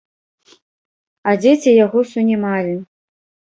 А дзеці яго сунімалі.